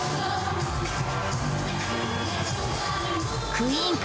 クイーン界